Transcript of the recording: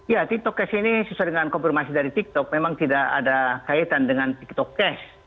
ya tiktok cash ini sesuai dengan konfirmasi dari tiktok memang tidak ada kaitan dengan tiktok cash